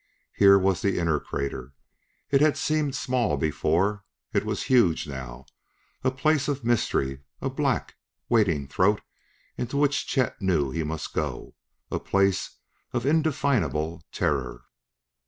Here was the inner crater! It had seemed small before; it was huge now a place of mystery, a black, waiting throat into which Chet knew he must go a place of indefinable terror.